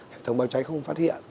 hệ thống báo cháy không phát hiện